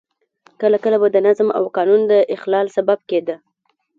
کله کله به د نظم او قانون د اخلال سبب کېده.